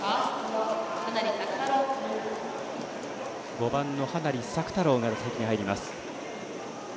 ５番の羽成朔太郎が打席に入ります。